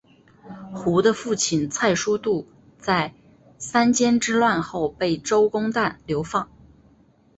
胡的父亲蔡叔度在三监之乱后被周公旦流放。